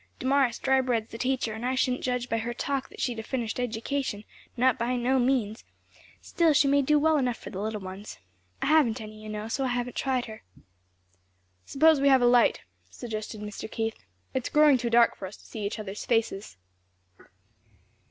Damaris Drybread's the teacher, and I shouldn't judge by her talk that she'd had a finished education; not by no means! still she may do well enough for little ones. I haven't any, you know, so I haven't tried her." "Suppose we have a light," suggested Mr. Keith, "it's growing too dark for us to see each other's faces."